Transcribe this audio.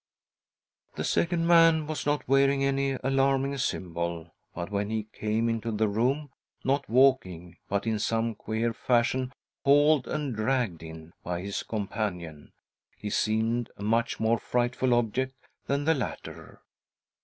. The second man was not wearing any alarming symbol, but when he came into the room, not walking, but in some queer fashion hauled and dragged in by his companion, he seemed a much more frightful object than the latter.